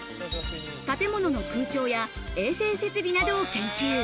建物の空調や衛生設備などを研究。